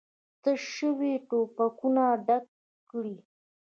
تش شوي ټوپکونه ډک کړئ!